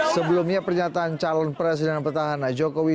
sebelumnya pernyataan calon presiden petahana jokowi